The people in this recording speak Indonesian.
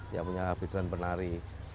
yang punya biduan penari